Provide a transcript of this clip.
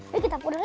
yuk kita pulang yuk